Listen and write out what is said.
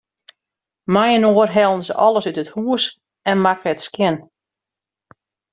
Mei-inoar hellen se alles út it hûs en makken it skjin.